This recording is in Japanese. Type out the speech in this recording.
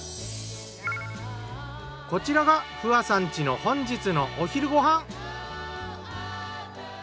こちらが不破さん家の本日のお昼ご飯。